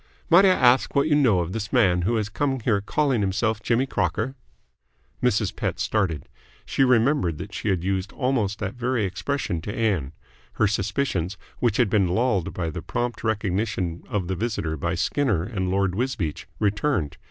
"Might I ask what you know of this man who has come here calling himself Jimmy Crocker?" Mrs. Pett started. She remembered that she had used almost that very expression to Ann. Her suspicions, which had been lulled by the prompt recognition of the visitor by Skinner and Lord Wisbeach, returned.